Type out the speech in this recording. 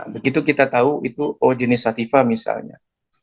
begitu kita tahu itu jenis sativa misalnya